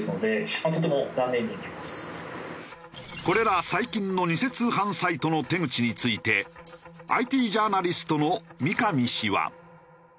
これら最近の偽通販サイトの手口についてＩＴジャーナリストの三上氏は。